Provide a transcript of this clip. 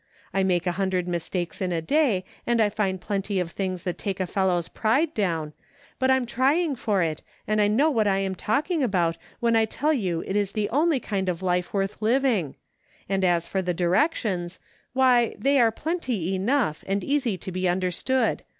I make a hundred mistakes in a day, and I find plenty of things that take a fellow's pride down ; but I'm trying for it, and I know what I am talking about when I tell you it is the only kind of life worth liv ing ; and as for the directions, why, they are plenty enough, and easy to be understood.